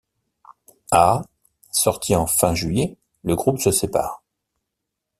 À sortie en fin juillet, le groupe se sépare.